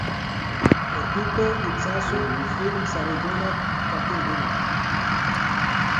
Aurkitu itzazu film saridunak karteldegian.